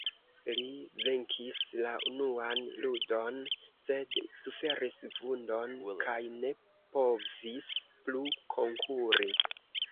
Li venkis la unuan ludon, sed suferis vundon kaj ne povis plu konkuri.